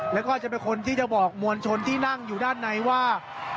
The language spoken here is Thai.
แล้วก็จะเป็นคนที่จะบอกมวลชนที่นั่งอยู่ด้านในว่า